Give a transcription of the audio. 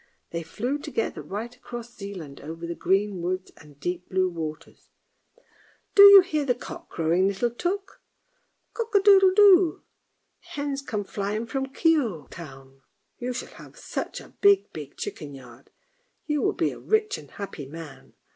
They flew together right across Zealand, over the green woods and deep blue waters. " Do you hear the cock crowing, little Tuk? Cock a doodle doo. The hens come flying up from Kioge town. You shall have such a big, big chicken yard. You will be a rich and happy man!